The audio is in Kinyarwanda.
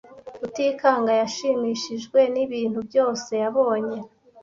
Rutikanga yashimishijwe nibintu byose yabonye.